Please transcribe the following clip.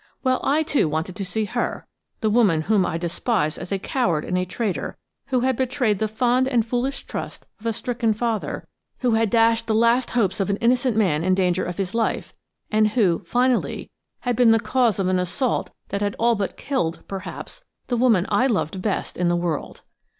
Well, I, too, wanted to see her; the woman whom I despised as a coward and a traitor; who had betrayed the fond and foolish trust of a stricken father; who had dashed the last hopes of an innocent man in danger of his life; and who, finally, had been the cause of an assault that had all but killed, perhaps, the woman I loved best in the world.